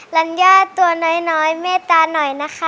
และเมตตาหน่อยนะคะ